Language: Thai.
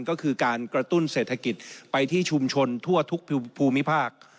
ก็คือการกระตุ้นเศรษฐกิจไปที่ชุมชนทั่วทุกภูมิภาค